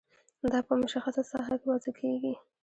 دا په مشخصه ساحه کې وضع کیږي.